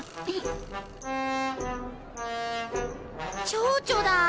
チョウチョだぁ！